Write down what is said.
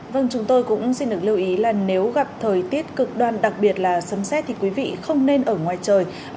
vâng chúng tôi cũng xin được lưu ý là nếu gặp thời tiết cực đoan đặc biệt là sấm xét thì quý vị không nên ở ngoài trời